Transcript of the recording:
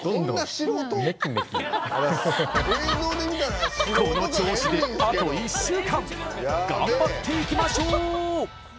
この調子で、あと１週間頑張っていきましょう！